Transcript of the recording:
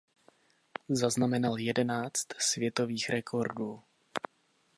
Zaznamenal jedenáct světových rekordů.